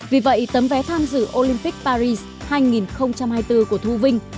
vì vậy tấm vé tham dự olympic paris hai nghìn hai mươi bốn của thu vinh